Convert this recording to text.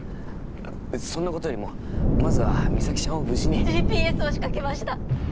そんなことよりもまずは実咲ちゃんを無事にＧＰＳを仕掛けました